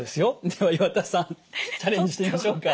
では岩田さんチャレンジしてみましょうか。